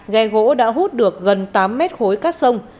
ghe gỗ đã hút được gần tám mét khối cát sông